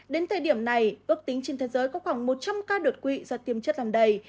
đến thời điểm này ước tính trên thế giới có khoảng một trăm linh ca đột quỵ do tiêm chất làm đầy